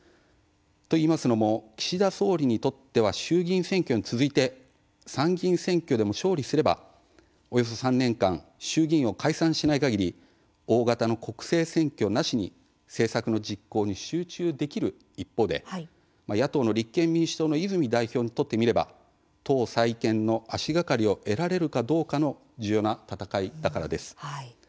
といいますのも岸田総理にとっては衆議院選挙に続いて参議院選挙でも勝利すればおよそ３年間衆議院を解散しないかぎり大型の国政選挙なしに政策の実行に集中できる一方で野党の立憲民主党の泉代表にとってみれば党再建の足がかりを得られるかどうかの重要な戦いだからです。